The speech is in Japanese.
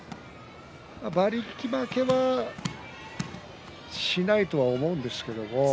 馬力負けはしないとは思うんですけれどもね。